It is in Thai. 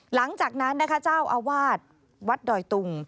หลังจากนั้นนะคะเจ้าอาวาสวัดดอยตุง